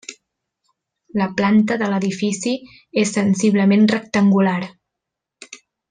La planta de l'edifici és sensiblement rectangular.